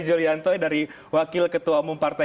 julianto dari wakil ketua umum partai